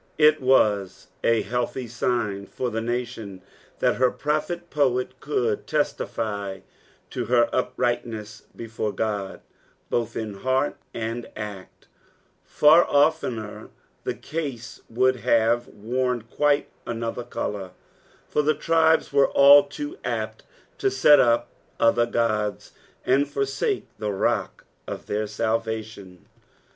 It was a health; sign for the nation that hei prophet poet could teetify to ber uprigbtDees before Ood, both in heart and act ; far uftener the case would baTS worn quite another colour, for the tribes were all too apt to set up other goda and foisake the rock of their BalvatioQ.